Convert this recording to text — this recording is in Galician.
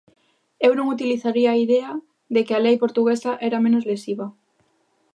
Eu non utilizaría a idea de que a lei portuguesa era menos lesiva.